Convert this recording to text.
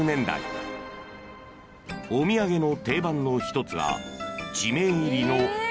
［お土産の定番の一つが地名入りの］